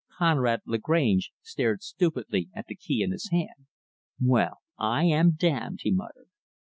Conrad Lagrange stared stupidly at the key in his hand. "Well I am damned," he muttered.